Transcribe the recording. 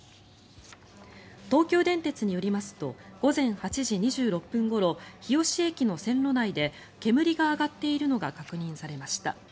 東急電鉄によりますと午前８時２６分ごろ日吉駅の線路内で煙が上がっているのが確認されました。